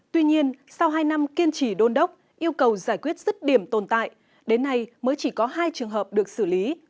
tuy nhiên sau hai năm kiên trì đôn đốc yêu cầu giải quyết rứt điểm tồn tại đến nay mới chỉ có hai trường hợp được xử lý